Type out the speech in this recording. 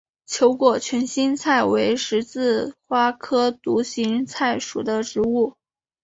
球果群心菜为十字花科独行菜属的植物。